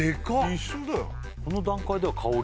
一緒だよ！